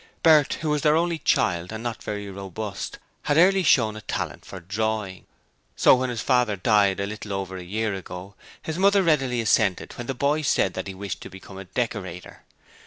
Bert, who was their only child and not very robust, had early shown a talent for drawing, so when his father died a little over a year ago, his mother readily assented when the boy said that he wished to become a decorator.